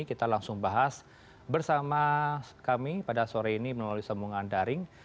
kita langsung bahas bersama kami pada sore ini melalui sambungan daring